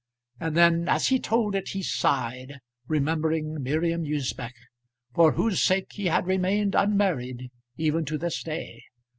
And then as he told it he sighed, remembering Miriam Usbech, for whose sake he had remained unmarried even to this day.